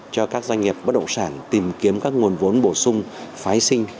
cho các doanh nghiệp bất động sản tìm kiếm các nguồn vốn bổ sung phái sinh